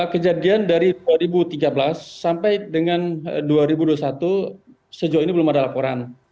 kejadian dari dua ribu tiga belas sampai dengan dua ribu dua puluh satu sejauh ini belum ada laporan